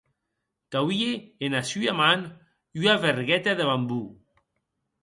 Qu’auie ena sua man ua vergueta de bambó.